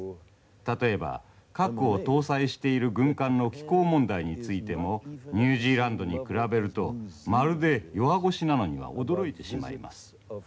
例えば核を搭載している軍艦の寄港問題についてもニュージーランドに比べるとまるで弱腰なのには驚いてしまいます。